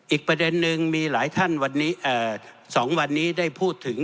อีกประเด็นนึงมีหลายท่านวันนี้๒วันนี้ได้พูดถึง